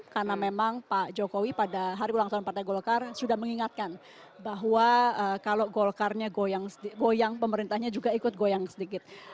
karena memang pak jokowi pada hari ulang tahun partai golkar sudah mengingatkan bahwa kalau golkarnya goyang pemerintahnya juga ikut goyang sedikit